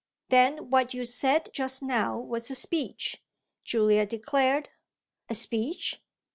"Then what you said just now was a speech," Julia declared. "A speech?"